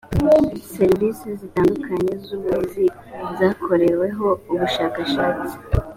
serivisi zitandukanye z uburezi zakoreweho ubushakashatsi